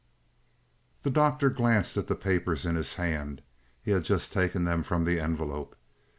The Doctor glanced at the papers in his hand; he had just taken them from the envelope.